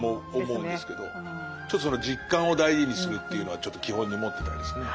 その実感を大事にするっていうのはちょっと基本に持ってたいですね。